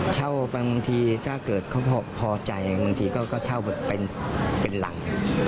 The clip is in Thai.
บางทีถ้าเกิดเขาพอใจบางทีก็เช่าแบบเป็นหลัง